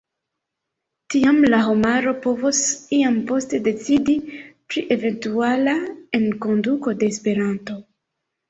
Tiam la homaro povos iam poste decidi pri eventuala enkonduko de Esperanto.